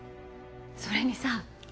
それにさ